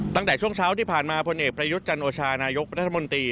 ตั้งแต่ช่วงเช้าที่ผ่านมาพลเอกประยุทธ์จันโอชานายกรัฐมนตรี